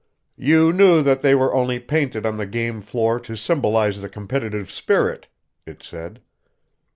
"You knew that they were only painted on the game floor to symbolize the Competitive Spirit," it said.